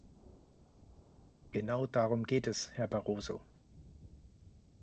Genau darum geht es, Herr Barroso!